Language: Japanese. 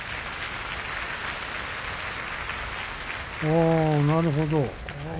ああ、なるほど。